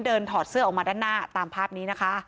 ถอดเสื้อออกมาด้านหน้าตามภาพนี้นะคะ